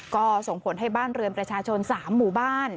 ก็ส่งผลให้บ้านเรือนประชาชน๓หมู่บ้าน